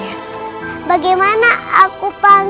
raka kian santang